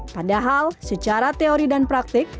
padahal secara teori dan praktik